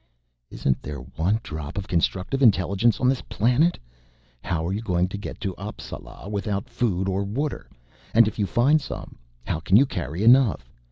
"Isn't there one drop of constructive intelligence on this planet? How are you going to get to Appsala without food or water, and if you find some how can you carry enough?